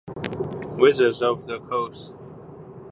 Wizards of the Coast.